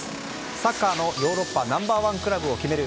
サッカーのヨーロッパナンバー１クラブを決める